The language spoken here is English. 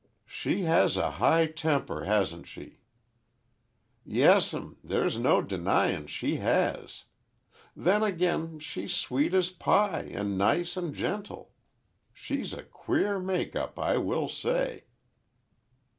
"She has a high temper, hasn't she?" "Yes'm, there's no denyin' she has. Then again, she's sweet as pie, and nice an' gentle. She's a queer makeup, I will say."